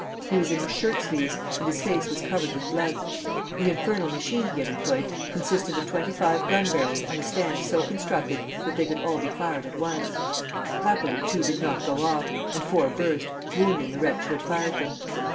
He was in his shirt sleeves, and his face was covered with blood. The infernal machine he had employed consisted of twenty five gun barrels on a stand so constructed that they could all be fired at once. Happily two did not go off, and four burst, wounding the wretch who had fired them.